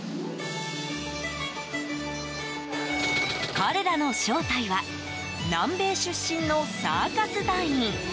彼らの正体は南米出身のサーカス団員。